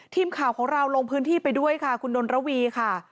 ทีมข่าวของเราลงพื้นที่ไปด้วยค่ะคุณนนระวีค่ะ